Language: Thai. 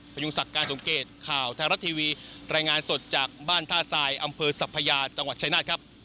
พยุงศักดิ์การสมเกตข่าวไทยรัฐทีวีรายงานสดจากบ้านท่าทรายอำเภอสัพพยาจังหวัดชายนาฏครับ